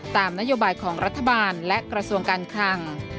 ตามนโยบายของรัฐบาลและกระทรวงการคลัง